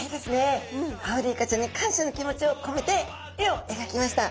アオリイカちゃんに感謝の気持ちをこめて絵をえがきました。